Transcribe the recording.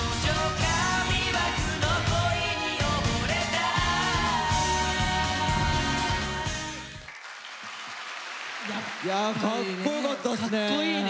かっこよかったっすね！